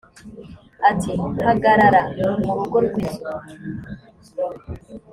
ati hagarara mu rugo rw’inzu